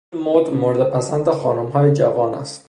این مد مورد پسند خانمهای جوان است.